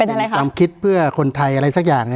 เป็นความคิดเพื่อคนไทยอะไรสักอย่าง